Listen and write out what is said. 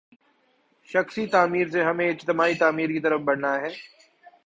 شخصی تعمیر سے ہمیں اجتماعی تعمیر کی طرف بڑھنا ہے۔